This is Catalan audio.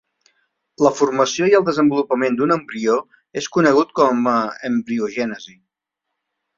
La formació i el desenvolupament d'un embrió és conegut com a embriogènesi.